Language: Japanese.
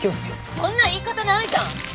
そんな言い方ないじゃん。